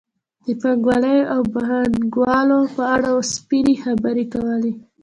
د پانګوالۍ او پانګوالو په اړه سپینې خبرې کولې.